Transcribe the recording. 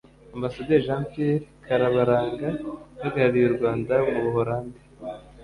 Ambasaderi Jean Pierre Karabaranga uhagarariye u Rwanda mu Buholandi